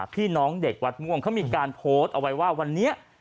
พี่น้องเด็กวัดม่วงเขามีการโพสต์เอาไว้ว่าวันนี้